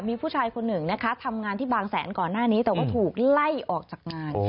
มีผู้ชายคนหนึ่งนะคะทำงานที่บางแสนก่อนหน้านี้แต่ว่าถูกไล่ออกจากงาน